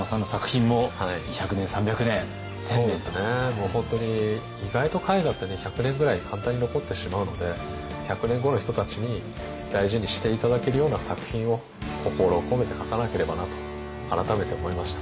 もう本当に意外と絵画ってね１００年ぐらい簡単に残ってしまうので１００年後の人たちに大事にして頂けるような作品を心を込めて描かなければなと改めて思いました。